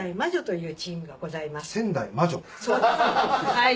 はい。